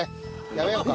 やめようか。